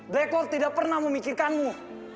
black lord tidak pernah memikirkanmu